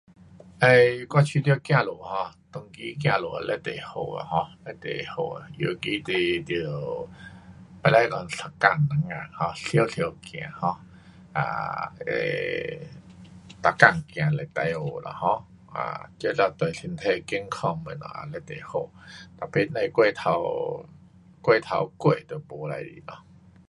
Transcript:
um 我觉得走路 um 当今走路非常好啊，um 非常好啊，尤其你得，不可讲一天两天，um 常常走 um um 每天走是最好啦，um 这呐对身体健康东西啊非常好，tapi 甭过头过头过就没事情咯。